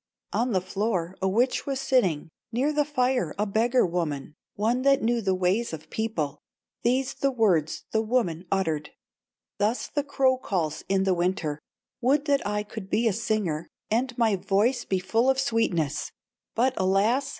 '" On the floor a witch was sitting, Near the fire a beggar woman, One that knew the ways of people, These the words the woman uttered: "Thus the crow calls in the winter: 'Would that I could be a singer, And my voice be full of sweetness, But, alas!